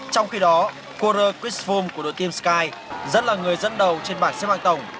trong khi đó koura kvistvom của đội team sky rất là người dẫn đầu trên bản xếp mạng tổng